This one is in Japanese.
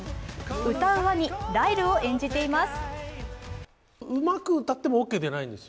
歌うワニ、ライルを演じています。